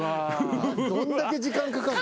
どんだけ時間かかんの？